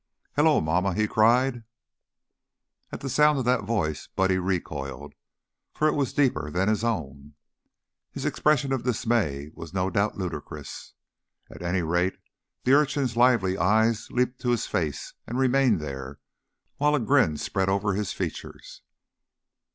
"Hello, momma!" he cried. At sound of that voice Buddy recoiled, for it was deeper than his own. His expression of dismay was no doubt ludicrous, at any rate the urchin's lively eyes leaped to his face and remained there, while a grin spread over his features.